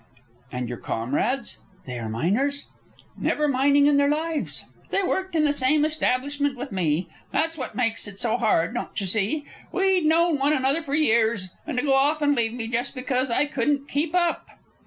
"And your comrades? They are miners?" "Never mining in their lives. They worked in the same establishment with me. That's what makes it so hard, don't you see! We'd known one another for years! And to go off and leave me just because I couldn't keep up!"